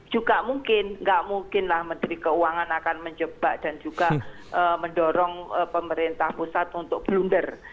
juga mungkin nggak mungkinlah menteri keuangan akan menjebak dan juga mendorong pemerintah pusat untuk blunder